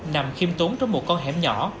nằm khiêm tốn trong một con hẻm nhỏ